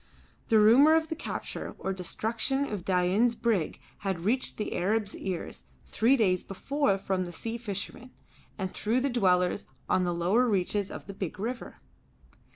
The rumour of the capture or destruction of Dain's brig had reached the Arab's ears three days before from the sea fishermen and through the dwellers on the lower reaches of the river.